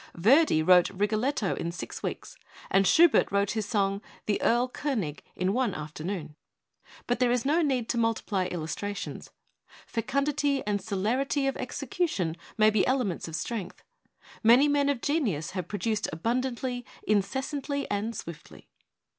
Verdi wrote 'Rigoletto' in six weeks; and Schubert wrote his song, the 'Erl Konig/ in one afternoon. But there is no need to multiply illustrations. Fecundity and celerity of execution may be ele ments of strength. Many men of genius have produced abundantly, incessantly and swiftly.